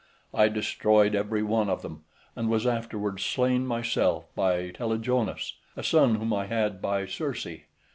I destroyed every one of them, and was afterwards slain myself by Telegonus, a son whom I had by Circe.